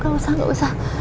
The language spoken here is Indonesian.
gak usah gak usah